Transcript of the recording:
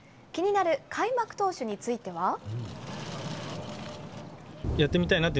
気になる開幕投手については。